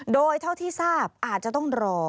โดยเท่าที่ทราบอาจจะต้องรอ